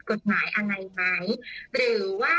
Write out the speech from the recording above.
รึว่าอาจจะเห็นคดีความอะไรในอนาคตหรือเปล่า